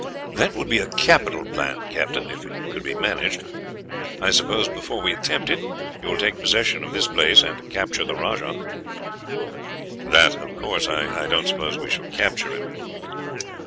"That would be a capital plan, Captain, if it could be managed. I suppose before we attempt it, you will take possession of this place, and capture the rajah?" "That of course. I don't suppose we shall capture him.